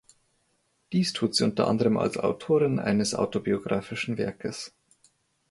Dies tut sie unter anderem als Autorin eines autobiografischen Werkes.